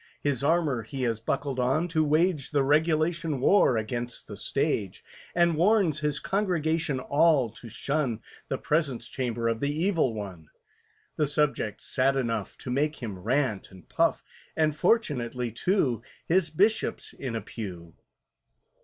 His armour he has buckled on, to wage The regulation war against the Stage; And warns his congregation all to shun "The Presence Chamber of the Evil One," The subject's sad enough To make him rant and puff, And fortunately, too, His Bishop's in a pew.